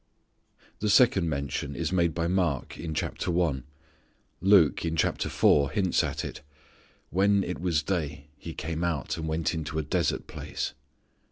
The second mention is made by Mark in chapter one. Luke, in chapter four, hints at it, "when it was day He came out and went into a desert place."